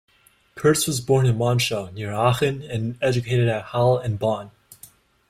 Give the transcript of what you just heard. Kurtz was born in Monschau near Aachen and educated at Halle and Bonn.